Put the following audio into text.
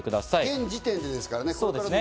現時点でですからね。